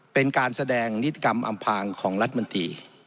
เป็นการแสดงนิติกรรมอำพางของรัฐมนตรี